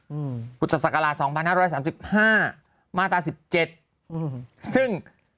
อืมพุทธศักราชสองพันห้าร้อยสามสิบห้ามาตราสิบเจ็ดอืมซึ่ง